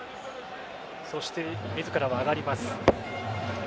そして自らは上がります。